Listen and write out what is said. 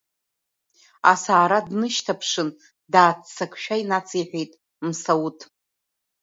Асаара днышьҭаԥшын, дааццакшәа инациҳәеит Мсауҭ.